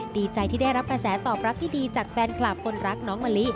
ดีใจที่ได้รับกระแสตอบรับที่ดีจากแฟนคลับคนรักน้องมะลิ